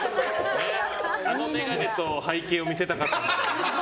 あの眼鏡と背景を見せたかったのかな。